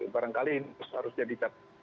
barangkali harus jadi ke